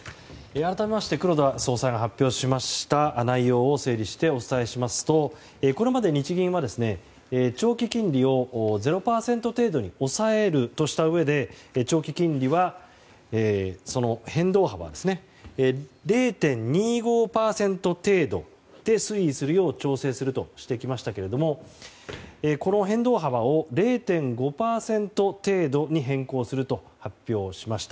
改めて黒田総裁が発表した内容を整理してお伝えしますとこれまで日銀は、長期金利を０％程度に抑えるとしたうえで長期金利の変動幅は０．２５％程度で推移するよう調整するとしてきましたけどもこの変動幅を０．５％程度に変更すると発表しました。